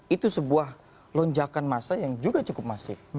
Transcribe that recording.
itu sebuah lonjakan masa yang juga cukup masif